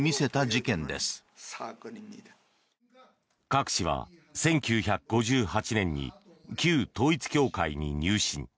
カク氏は１９５８年に旧統一教会に入信。